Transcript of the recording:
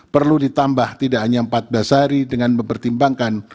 perlu ditambah tidak hanya empat belas hari dengan mempertimbangkan